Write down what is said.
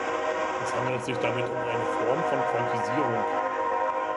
Es handelt sich damit um eine Form von Quantisierung.